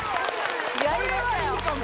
やりましたよ